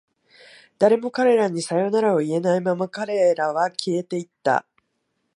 誰も彼らにさよならを言えないまま、彼らは消えていった。